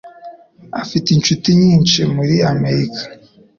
Afite inshuti nyinshi muri Amerika